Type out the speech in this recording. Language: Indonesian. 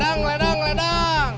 ledang ledang ledang